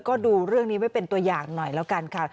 ก็ดูเรื่องนี้ไว้เป็นตัวอย่างหน่อยแล้วกันค่ะ